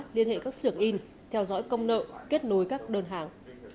liên hệ các sưởng in theo dõi công nợ kết nối các đơn hàng